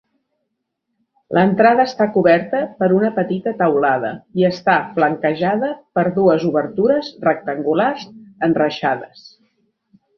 L'entrada està coberta per una petita teulada i està flanquejada per dues obertures rectangulars enreixades.